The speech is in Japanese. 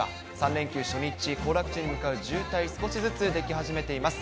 ３連休初日、行楽地に向かう渋滞、少しずつ出来始めています。